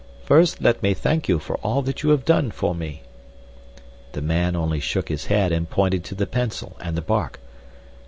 First let me thank you for all that you have done for me." The man only shook his head and pointed to the pencil and the bark.